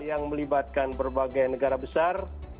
yang melibatkan berbagai negara besar